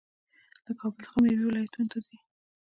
له کابل څخه میوې ولایتونو ته ځي.